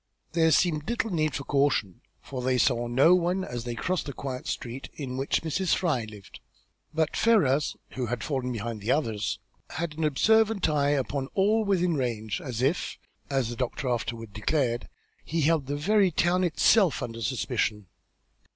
There seemed little need of this caution, for they saw no one as they crossed to the quiet street in which Mrs. Fry lived. But Ferrars, who had fallen behind the others, had an observant eye upon all within range, as if, as the doctor afterward declared, he held the very town itself under suspicion.